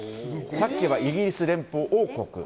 さっきはイギリス連邦王国。